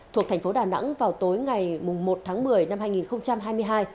thuộc thành phố đà nẵng vào tối ngày một tháng một mươi năm hai nghìn hai mươi hai